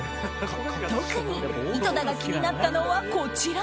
特に、井戸田が気になったのはこちら。